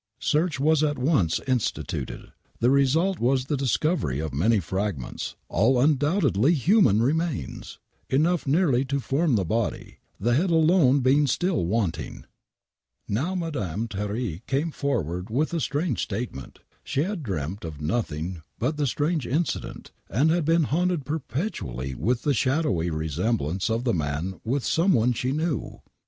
Search was at once instituted. The result was the discovery of many fragments, all undoubt edly human remains ! Enough nearly to form the body, the head alone oeing still wanting !! itaMMiiMlllfjMP W"yfl:^ WAINWRIGHT MURDER 15 id re 38 re le d se e ; e Now Madame Thierry came forward with a strange statement. She had dreamt of nothing but the strange incident and had be«i haunted perpetually with the shadowy resemblance of the man with some one she knew.